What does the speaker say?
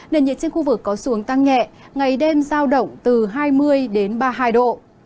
nền nhiệt trên khu vực có xu hướng tăng nhẹ ngày đêm giao động từ hai mươi ba mươi hai độ